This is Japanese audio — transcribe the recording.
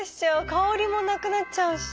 香りもなくなっちゃうし。